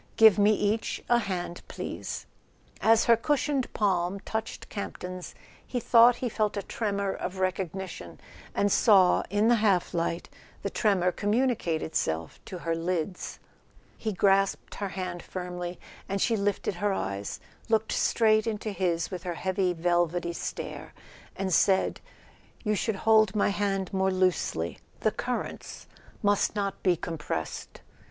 Give me each a hand, please." As her cushioned palm touched Camp ton's he thought he felt a tremor of recognition, and saw, in the half light, the tremor communicate itself to her lids. He grasped her hand firmly, and she lifted her eyes, looked straight into his with her heavy velvety stare, and said: "You should hold my hand more loosely; the currents must not be compressed."